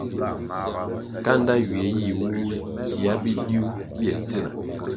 Kanda ywie yih wuwul kia bidiu bye tsina.